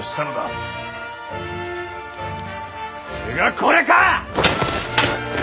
それがこれか！